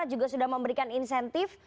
juga sudah memberikan insentif